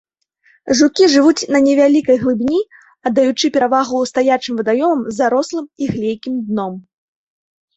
Жукі жывуць на невялікай глыбіні, аддаючы перавагу стаячым вадаёмам з зарослым і глейкім дном.